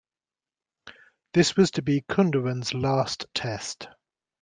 This was to be Kunderan's last Test.